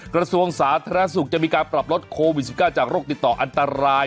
กระทรวงสาธารณสุขจะมีการปรับลดโควิด๑๙จากโรคติดต่ออันตราย